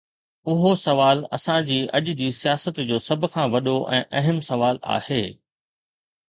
اهو سوال اسان جي اڄ جي سياست جو سڀ کان وڏو ۽ اهم سوال آهي.